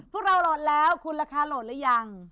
พวกเราโหลดแล้วคุณราคาโหลดหรือยัง